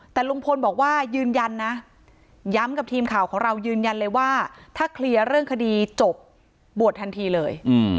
แต่ลุงพลบอกว่ายืนยันนะย้ำกับทีมข่าวของเรายืนยันเลยว่าถ้าเคลียร์เรื่องคดีจบบวชทันทีเลย